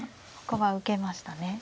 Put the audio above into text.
ここは受けましたね。